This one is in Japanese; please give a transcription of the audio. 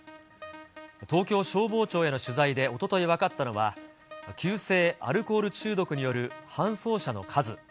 東京消防庁への取材でおととい分かったのは、急性アルコール中毒による搬送者の数。